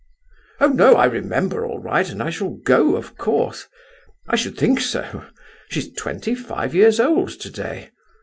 "Oh no, I remember all right, and I shall go, of course. I should think so! She's twenty five years old today!